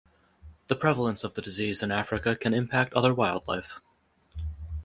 The prevalence of the disease in Africa can impact other wildlife.